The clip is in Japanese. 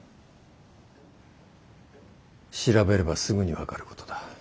調べればすぐに分かることだ。